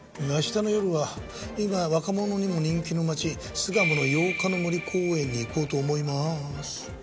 「明日の夜は今若者にも人気の街巣鴨の八日の森公園に行こうと思います」